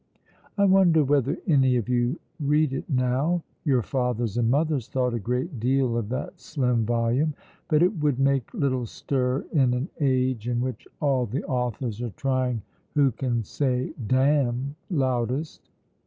I wonder whether any of you read it now? Your fathers and mothers thought a great deal of that slim volume, but it would make little stir in an age in which all the authors are trying who can say "damn" loudest.